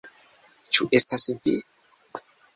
Ĉu estas vi?